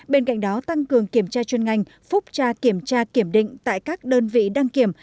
bên cạnh đó tăng cường kiểm tra chuyên ngành phúc tra kiểm tra kiểm định tại các đơn vị đăng kiểm